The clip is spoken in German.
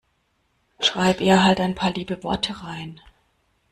Schreib ihr halt ein paar liebe Worte rein.